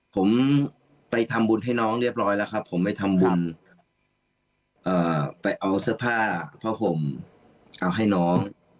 ผมไปทำบุญให้น้องเรียบร้อยแล้วครับผมไปทำบุญไปเอาเสื้อผ้าผ้าห่มเอาให้น้อง